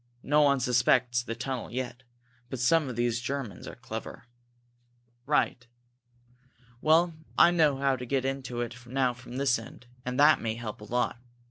No one suspects the tunnel yet, but some of these Germans are clever." "Right! Well, I know how to get into it now from this end, and that may help a lot.